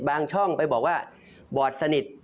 ช่องไปบอกว่าบอร์ดสนิท